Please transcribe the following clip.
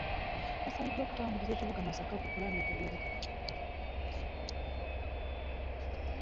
Basabiddwa okutambuliza ekibuga Masaka ku ppulaani etegeerekeka.